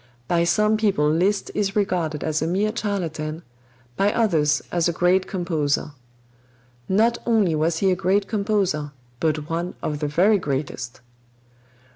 By some people Liszt is regarded as a mere charlatan, by others as a great composer. Not only was he a great composer, but one of the very greatest.